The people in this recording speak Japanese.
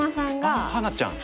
ああ花ちゃん。